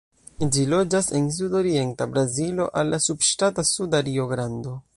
Ĝi loĝas en sudorienta Brazilo al la subŝtato Suda Rio-Grando.